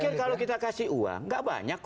saya pikir kalau kita kasih uang nggak banyak kok